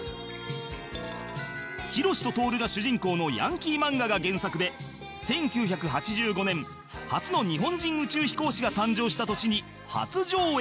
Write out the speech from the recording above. ヒロシとトオルが主人公のヤンキー漫画が原作で１９８５年初の日本人宇宙飛行士が誕生した年に初上映